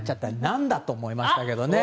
何だと思いましたけどね。